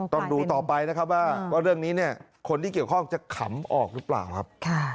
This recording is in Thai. ต้องดูต่อไปนะครับว่าเรื่องนี้เนี่ยคนที่เกี่ยวข้องจะขำออกหรือเปล่าครับ